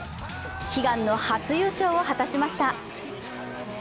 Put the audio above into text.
悲願の初優勝を果たしました。